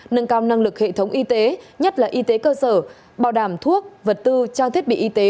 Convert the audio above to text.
nâng cao năng lực hệ thống y tế nhất là y tế cơ sở bảo đảm thuốc vật tư trang thiết bị y tế